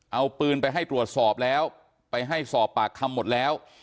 เอาปืนไปให้ตรวจสอบแล้วไปให้สอบปากคำหมดแล้ว